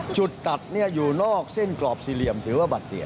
จุดตัดอยู่นอกเส้นกรอบสี่เหลี่ยมถือว่าบัตรเสีย